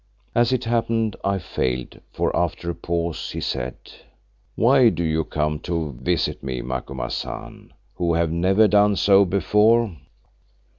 As it happened I failed, for after a pause he said, "Why do you come to visit me, Macumazahn, who have never done so before?"